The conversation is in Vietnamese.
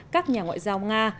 các nhà ngoại giao nga